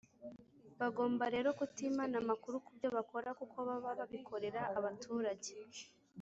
Bagomba rero kutimana amakuru ku byo bakora kuko baba babikorera abaturage.